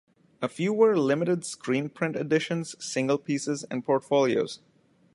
A few were limited screenprint editions, single pieces and portfolios.